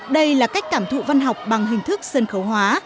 đây là cách cảm thụ văn học bằng hình thức sân khấu hóa